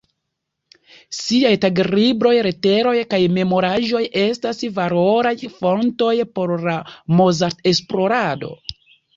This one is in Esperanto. Ŝiaj taglibroj, leteroj kaj memoraĵoj estas valoraj fontoj por la Mozart-esplorado.